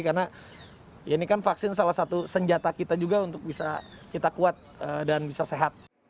karena ini kan vaksin salah satu senjata kita juga untuk bisa kita kuat dan bisa sehat